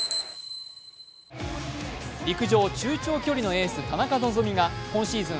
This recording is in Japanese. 陸上中長距離のエース田中希実が今シーズン